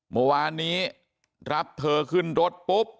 เมื่อวานนี้รับเธอขึ้นรถปุ๊บ